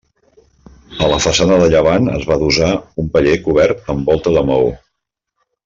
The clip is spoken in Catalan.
A la façana de llevant es va adossar un paller cobert amb volta de maó.